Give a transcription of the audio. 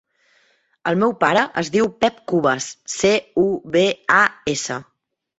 El meu pare es diu Pep Cubas: ce, u, be, a, essa.